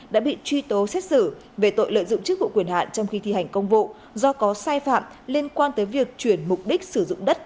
đã bị truy tố xét xử về tội lợi dụng chức vụ quyền hạn trong khi thi hành công vụ do có sai phạm liên quan tới việc chuyển mục đích sử dụng đất